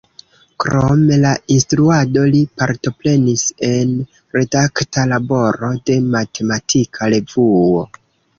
Krom la instruado li partoprenis en redakta laboro de matematika revuo.